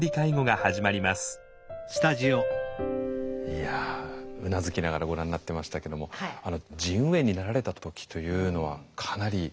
いやうなずきながらご覧になってましたけども腎盂炎になられた時というのはかなり。